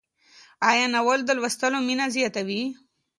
آیا ناول د لوستلو مینه زیاتوي؟